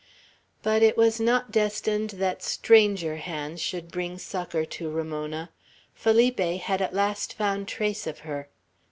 But it was not destined that stranger hands should bring succor to Ramona. Felipe had at last found trace of her.